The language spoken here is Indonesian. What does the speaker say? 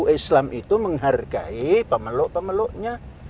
islam itu menghargai pemeluk pemeluknya